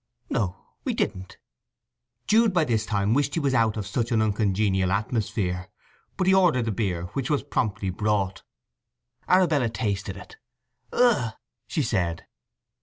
"No, we didn't." Jude by this time wished he was out of such an uncongenial atmosphere; but he ordered the beer, which was promptly brought. Arabella tasted it. "Ugh!" she said.